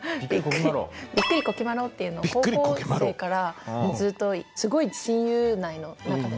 「びっくりこきまろ」っていうのを高校生からずっとすごい親友内の中での。